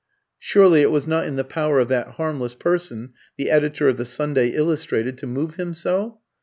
Surely it was not in the power of that harmless person, the editor of the "Sunday Illustrated," to move him so?